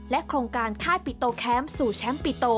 โครงการค่ายปิโตแคมป์สู่แชมป์ปิโต